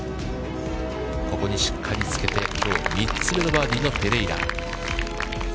ここにしっかりつけて、きょう、３つ目のバーディーがペレイラ。